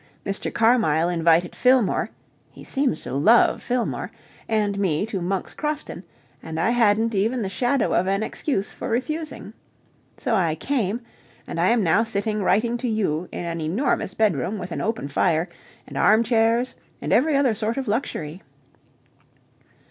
Mr. Carmyle invited Fillmore he seems to love Fillmore and me to Monk's Crofton, and I hadn't even the shadow of an excuse for refusing. So I came, and I am now sitting writing to you in an enormous bedroom with an open fire and armchairs and every other sort of luxury.